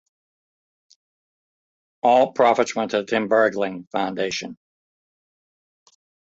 All profits went to the Tim Bergling Foundation.